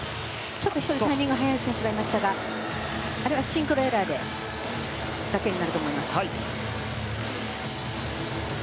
１人タイミング早い選手がいましたがあれはシンクロエラーだけになると思います。